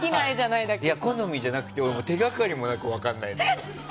好みじゃなくて手掛かりもなく分かんない。